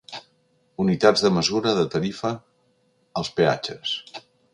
Unitats de mesura de tarifa als peatges.